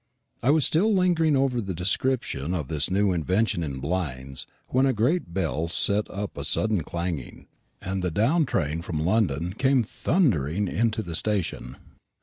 I was still lingering over the description of this new invention in blinds, when a great bell set up a sudden clanging, and the down train from London came thundering into the station.